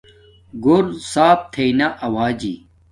گھور صاف تھݵ نا اوجی